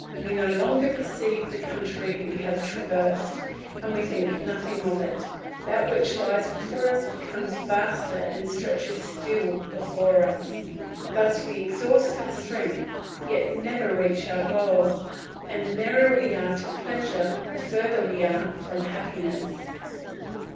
We no longer perceive the country we have traversed, and we think nothing of it; that which lies before us becomes vaster and stretches still before us. Thus we exhaust our strength, yet never reach our goal, and the nearer we are to pleasure, the further we are from happiness.